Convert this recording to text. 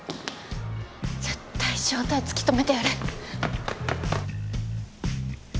絶対正体突き止めてやる。